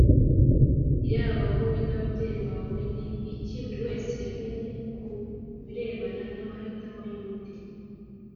Yaba wowe n ababyeyi bawe ni iki buri wese yamenye ku birebana n amahitamo y undi